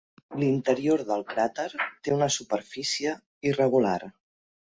L'interior del cràter té una superfície irregular.